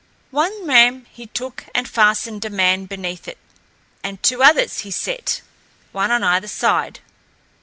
One ram he took and fastened a man beneath it, and two others he set, one on either side.